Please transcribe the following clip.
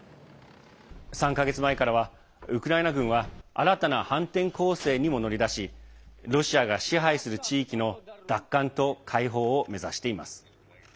３か月前からは、ウクライナ軍は新たな反転攻勢にも乗り出しロシアが支配する地域の奪還と解放を目指しています。